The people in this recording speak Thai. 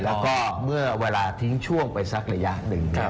หมดไปแล้วก็เมื่อเวลาทิ้งช่วงไปสักระยะนึงเนี่ย